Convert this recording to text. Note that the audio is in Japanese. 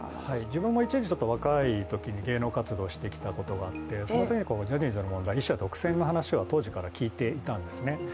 自分も一時、若いとき、芸能活動をしてきたときがあってそのときにもジャニーズの問題、１社独占の話は当時から聞いていたんですね。